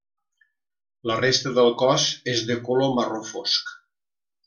La resta del cos és de color marró fosc.